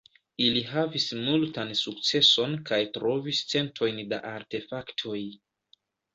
Ili havis multan sukceson kaj trovis centojn da artefaktoj.